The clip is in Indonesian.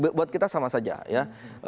buat kita sama saja ya